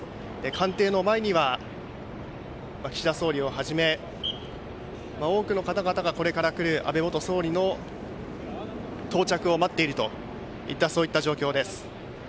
官邸の前には岸田総理をはじめ多くの方々が、これから来る安倍元総理の到着を待っているといった状況です。